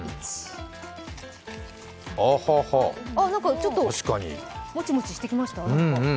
ちょっともちもちしてきました？